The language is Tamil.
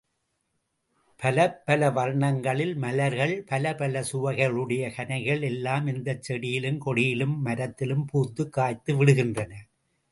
பலப்பல வர்ணங்களில் மலர்கள், பலப்பல சுவையுடைய கனிகள் எல்லாம் இந்தச் செடியிலும், கொடியிலும், மரத்திலும் பூத்துக் காய்த்து விடுகின்றன.